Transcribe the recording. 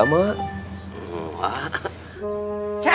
saya berangkat ikut bangsa saya atau surround saya